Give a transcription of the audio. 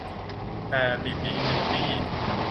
ตาตี่ตี่ เอตตี้